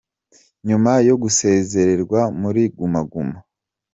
Nyuma yo gusezererwa muri Guma Guma.